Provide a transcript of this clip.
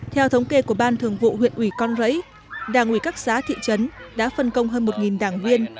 theo thống kê của ban thường vụ huyện ủy con rẫy đảng ủy các xã thị trấn đã phân công hơn một đảng viên